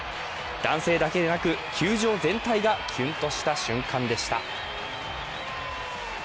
男性だけでなく、球場全体がキュンとした瞬間でした。